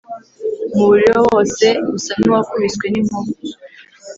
umubili we wose usa n'uwakubiswe n'inkuba!